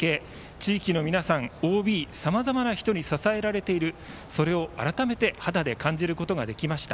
地域の皆さんＯＢ、さまざまな人に支えられていることを改めて肌で感じられました。